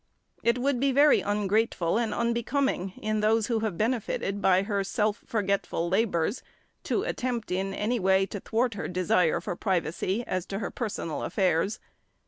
It would be very ungrateful and unbecoming in those who have benefited by her self forgetful labours to attempt in any way to thwart her desire for privacy as to her personal affairs.